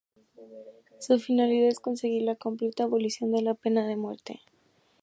Su finalidad es conseguir la completa abolición de la pena de muerte.